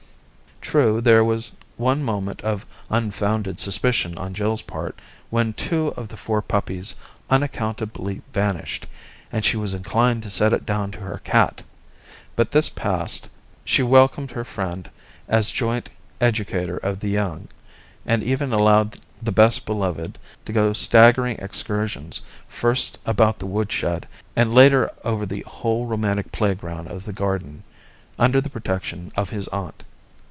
True, there 182 was one moment of unfounded suspicion on Jill's part when two out of the four puppies unaccountably vanished, and she was inclined to set it down to her cat, but this past, she wel' corned her friend as joint educator of the young, and even allowed the best'beloved to go staggering excursions, first about the wood'shed and later over the whole romantic play* ground of the garden, under the protection of his aunt.